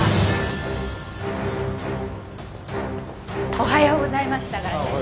おはようございます相良先生。